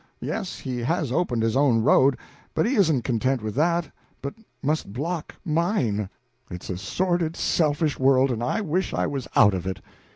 Yes, he has opened his own road, but he isn't content with that, but must block mine. It's a sordid, selfish world, and I wish I was out of it."